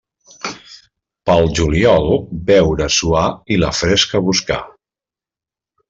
Pel juliol, beure, suar i la fresca buscar.